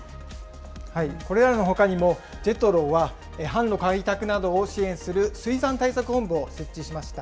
ほかにもＪＥＴＲＯは、販路開拓などを支援する水産対策本部を設置しました。